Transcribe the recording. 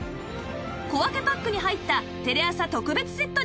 小分けパックに入ったテレ朝特別セットです